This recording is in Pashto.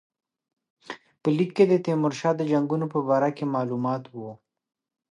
په لیک کې د تیمورشاه د جنګونو په باره کې معلومات وو.